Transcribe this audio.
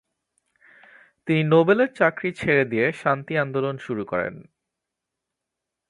তিনি নোবেলের চাকরি ছেড়ে দিয়ে শান্তি আন্দোলন শুরু করেন।